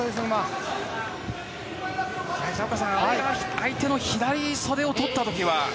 相手の左袖をとった時は。